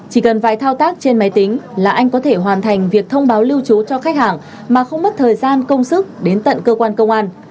chỉ cần vài thao tác trên máy tính là anh có thể hoàn thành việc thông báo lưu trú cho khách hàng mà không mất thời gian công sức đến tận cơ quan công an